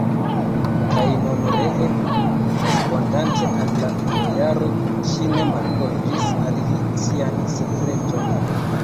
Kaj nun ree, respondante al la bojaro, ŝi ne malkovris al li sian sekreton.